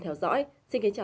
theo dõi xin kính chào tạm biệt